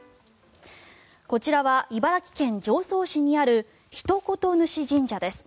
こちらは茨城県常総市にある一言主神社です。